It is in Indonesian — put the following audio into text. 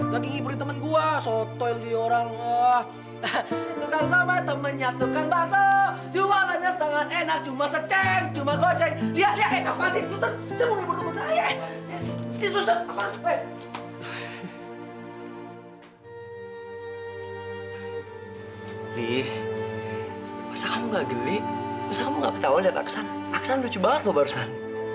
li masa kamu gak gini masa kamu gak ketawa lihat aksan aksan lucu banget loh barusan